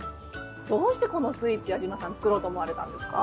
どうしてこのスイーツ、矢島さん作ろうと思われたんですか？